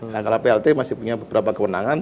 nah kalau plt masih punya beberapa kewenangan